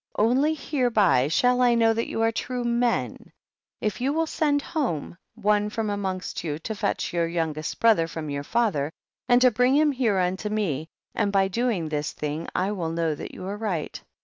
33. Only hereby shall I know that you are true men ; if you will send home one from amongst you to fetch your youngest brother from your fa ther, and to bring him here unto me, and by doing this thing I will know that you are right.